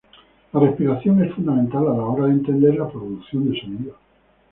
La respiración es fundamental a la hora de entender la producción de sonido.